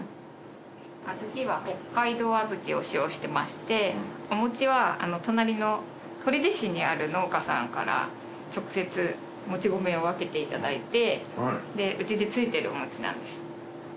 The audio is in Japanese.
小豆は北海道小豆を使用してましてお餅は隣の取手市にある農家さんから直接もち米を分けていただいてうちでついてるお餅なんです。